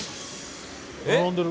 並んでる。